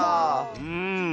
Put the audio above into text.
うん。